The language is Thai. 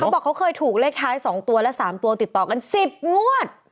เขาบอกเขาเคยถูกเลขท้ายสองตัวและสามตัวติดต่อกันสิบงวด